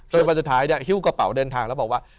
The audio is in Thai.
วันสุดท้ายฮิ้วกระเป๋าเดินทางแล้วบอกว่า